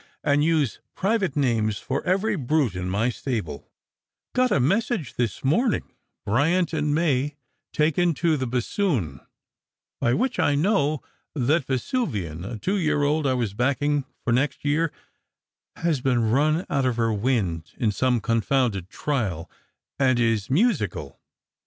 1 lS' private names for every brut« ic ray stable. Strangers and Pilgrims. 161 Got a message this morning :" Bryant and May taken to tlia bassoon." By which I know that Yesuvian, a two year old I was backing for next year, has been run out of her wind in some confounded trial, and is musical."